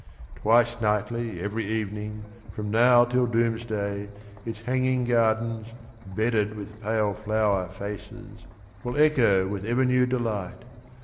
Twice nightly every evening from now till doomsday Its hanging gardens, bedded with pale flower faces, Will echo with ever new delight.